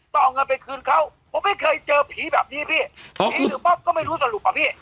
ต้องเอาเงินไปคืนเขาผมไม่เคยเจอผีแบบนี้พี่ผีหรือป๊อบก็ไม่รู้สรุปอ่ะพี่